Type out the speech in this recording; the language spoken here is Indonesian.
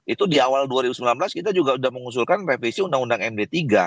itu di awal dua ribu sembilan belas kita juga sudah mengusulkan revisi undang undang md tiga